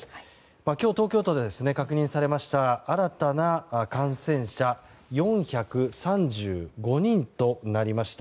今日、東京都で確認された新たな感染者４３５人となりました。